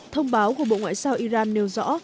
thông báo của bộ ngoại giao iran nêu rõ